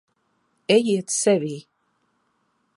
Ejiet sevī.